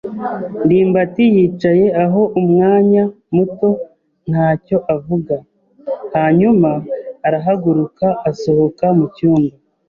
ndimbati yicaye aho umwanya muto ntacyo avuga, hanyuma arahaguruka asohoka mu cyumba.